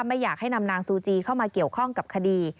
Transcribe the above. ไม่อยากให้นำนางซูจีเข้ามาเกี่ยวข้องกับคดี